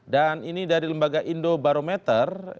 dan ini dari lembaga indobarometer